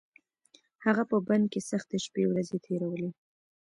هغه په بند کې سختې شپې ورځې تېرولې.